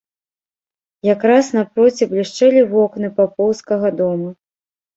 Якраз напроці блішчэлі вокны папоўскага дома.